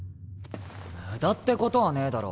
無駄ってことはねえだろ